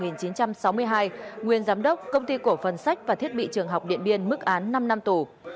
nguyên giám đốc công ty cổ phần sách và thiết bị trường học điện biên mức án năm năm tù